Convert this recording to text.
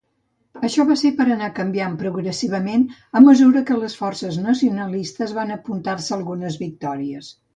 Això va ser per anar canviant progressivament a mesura que les forces nacionalistes van apuntar-se algunes victòries.